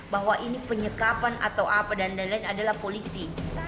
bahwa ini penyekapan atau apa dan lain lain adalah polisi